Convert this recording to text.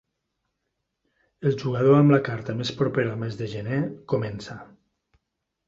El jugador amb la carta més propera al mes de gener, comença.